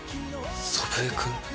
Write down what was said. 祖父江君？